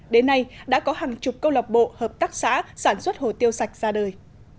đến nay đã có hàng chục câu lọc bộ hợp tác xã sản xuất hồ tiêu sạch ra đời